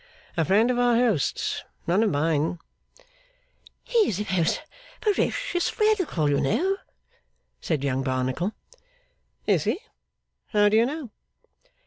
'A friend of our host's. None of mine.' 'He's a most ferocious Radical, you know,' said Young Barnacle. 'Is he? How do you know?